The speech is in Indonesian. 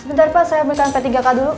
sebentar pak saya berikan p tiga k dulu